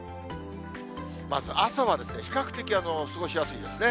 まず朝は、比較的過ごしやすいですね。